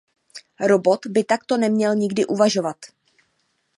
Robot by takto neměl nikdy uvažovat.